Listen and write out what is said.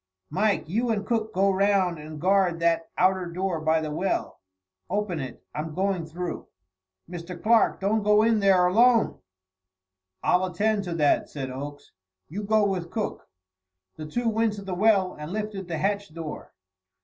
"Mike, you and Cook go round and guard that outer door by the well. Open it. I'm going through." "Mr. Clark, don't go in there alone!" "I'll attend to that," said Oakes. "You go with Cook." The two went to the well and lifted the hatch door.